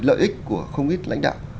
lợi ích của không ít lãnh đạo